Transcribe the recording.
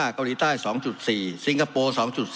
เกาหลีใต้๒๔สิงคโปร์๒๐